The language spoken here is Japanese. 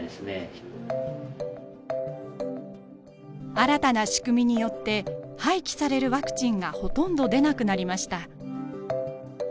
新たな仕組みによって廃棄されるワクチンがほとんど出なくなりました。